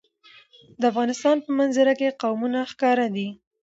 د افغانستان په منظره کې قومونه ښکاره ده.